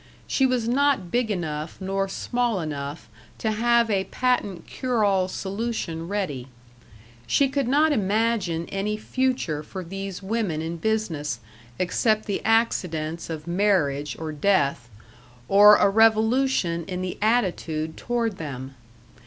She was not big enough nor small enough to have a patent cure all solution ready. She could not imagine any future for these women in business except the accidents of marriage or death or a revolution in the attitude toward them.